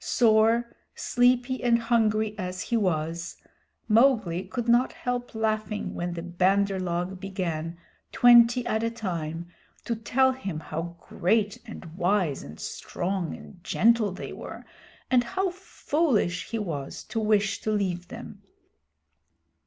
Sore, sleepy, and hungry as he was, Mowgli could not help laughing when the Bandar log began, twenty at a time, to tell him how great and wise and strong and gentle they were, and how foolish he was to wish to leave them.